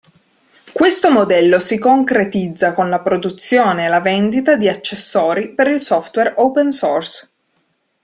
Questo modello si concretizza con la produzione e la vendita di accessori per il software open source.